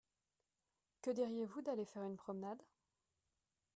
Que diriez-vous d'aller faire une promenade ?